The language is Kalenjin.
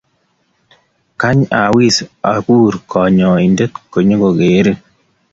Kany awis akur kanyointe konyo kogerin.